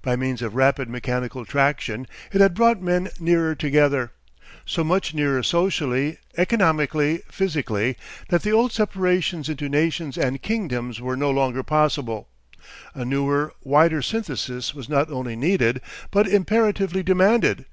By means of rapid mechanical traction, it had brought men nearer together, so much nearer socially, economically, physically, that the old separations into nations and kingdoms were no longer possible, a newer, wider synthesis was not only needed, but imperatively demanded.